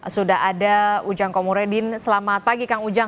sudah ada ujang komuredin selamat pagi kang ujang